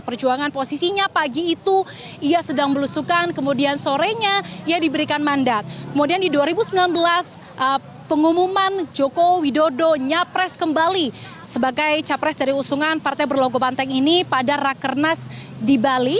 pertanyaan terakhir dari pemimpin pertama ibu mevri